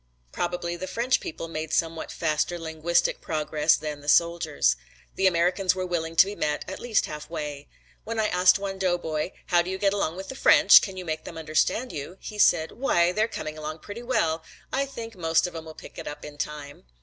Probably the French people made somewhat faster linguistic progress than the soldiers. The Americans were willing to be met at least halfway. When I asked one doughboy, "How do you get along with the French? Can you make them understand you?" he said, "Why, they're coming along pretty well. I think most of 'em will pick it up in time."